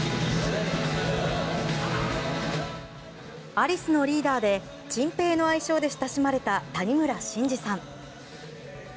アリスのリーダーでチンペイの愛称で親しまれた谷村新司さん。